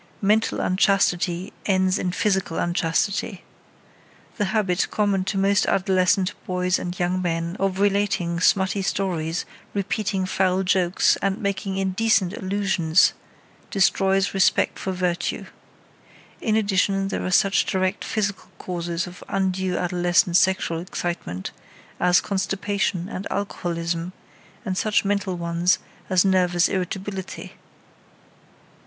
Mental unchastity ends in physical unchastity. The habit common to most adolescent boys and young men of relating smutty stories, repeating foul jokes and making indecent allusions destroys respect for virtue. In addition there are such direct physical causes of undue adolescent sexual excitement as constipation and alcoholism, and such mental ones as nervous irritability.